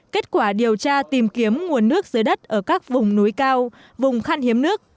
kết quả điều tra tìm kiếm nguồn nước dưới đất ở các vùng núi cao vùng khăn hiếm nước